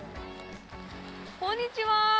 こんにちは。